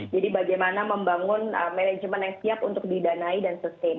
jadi bagaimana membangun management yang siap untuk didanai dan sustain